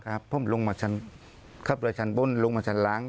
ครับผมลงมาชั้นขับเรือชั้นบนลงมาชั้นล่าง